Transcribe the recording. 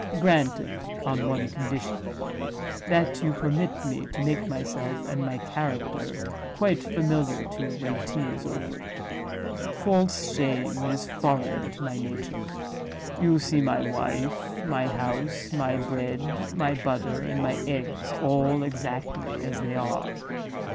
Granted, on one condition—that you permit me to make myself and my character quite familiar to you when tea is over. False shame is foreign to my nature. You see my wife, my house, my bread, my butter, and my eggs, all exactly as they are.